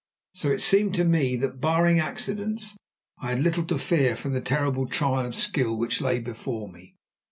So it seemed to me that, barring accidents, I had little to fear from the terrible trial of skill which lay before me.